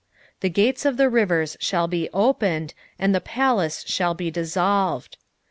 2:6 The gates of the rivers shall be opened, and the palace shall be dissolved.